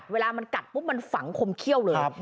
เวลามันกัดปุ๊บมันฝังคมเขี้ยวเลย